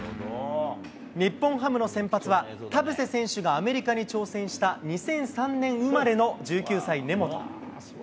日本ハムの先発は、田臥選手がアメリカに挑戦した２００３年生まれの１９歳、根本。